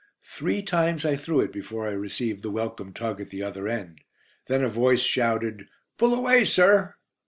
Three times I threw it before I received the welcome tug at the other end. Then a voice shouted: "Pull away, sir."